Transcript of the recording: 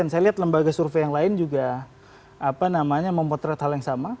saya lihat lembaga survei yang lain juga memotret hal yang sama